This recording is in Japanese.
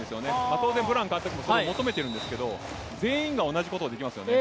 当然、ブラン監督もそれを求めてるんですけど全員が同じことをできますよね。